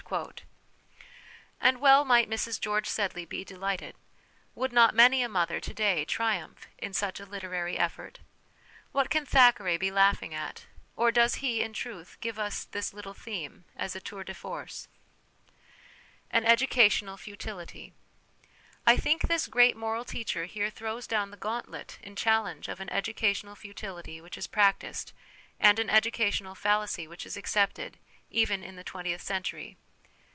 And well might Mrs George Sedley be delighted. Would not many a mother to day triumph in such a literary effort? What can Thackeray be laughing at? Or does he, in truth, give us this little ' theme ' as a tour deforce ? An Educational Futility. I think this great moral teacher here throws down the gauntlet in challenge of an educational futility which is practised, and an educational fallacy which is accepted, even in the twentieth century.